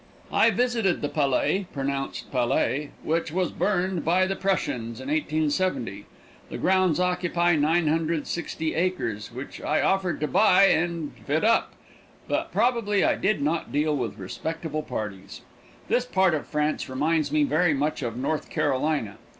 I visited the palais (pronounced pallay), which was burned by the Prussians in 1870. The grounds occupy 960 acres, which I offered to buy and fit up, but probably I did not deal with responsible parties. This part of France reminds me very much of North Carolina.